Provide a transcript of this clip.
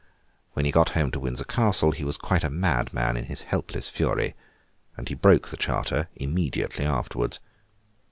When he got home to Windsor Castle, he was quite a madman in his helpless fury. And he broke the charter immediately afterwards.